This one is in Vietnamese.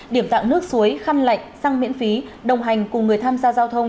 điểm tặng nước suối khăn lạnh sang miễn phí đồng hành cùng người tham gia giao thông